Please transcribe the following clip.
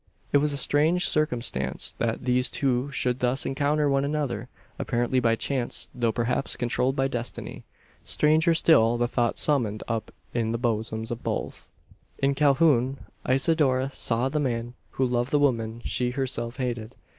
It was a strange circumstance that these two should thus encounter one another apparently by chance, though perhaps controlled by destiny. Stranger still the thought summoned up in the bosoms of both. In Calhoun, Isidora saw the man who loved the woman she herself hated.